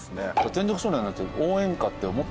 『全力少年』なんて。